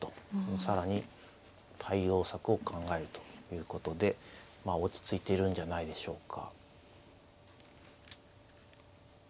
更に対応策を考えるということでまあ落ち着いているんじゃないでしょうか。